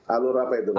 alur apa itu pak